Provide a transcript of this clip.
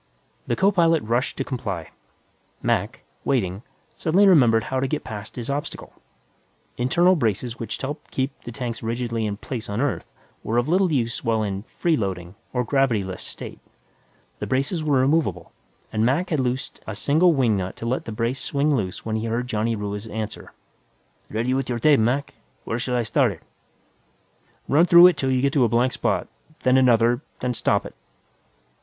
The co pilot rushed to comply. Mac, waiting, suddenly remembered how to get past his obstacle. Internal braces which helped keep the tanks rigidly in place on Earth were of little use while in "freeloading," or gravity less, state. The braces were removable, and Mac had loosened a single wing nut to let the brace swing loose when he heard Johnny Ruiz's answer. "Ready with your tape, Mac. Where shall I start it?" "Run it through 'til you get to a blank spot, then another, then stop it."